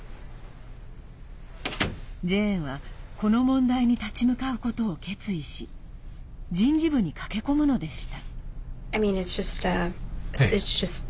ジェーンは、この問題に立ち向かうことを決意し人事部に駆け込むのでした。